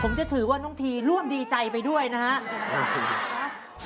ผมจะถือว่าน้องทีร่วมดีใจไปด้วยนะครับ